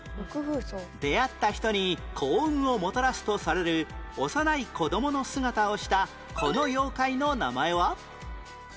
出会った人に幸運をもたらすとされる幼い子どもの姿をしたこの妖怪の名前は？